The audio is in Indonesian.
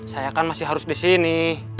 saya kan masih harus disini